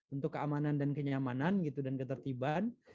untuk keamanan dan kenyamanan gitu dan ketertiban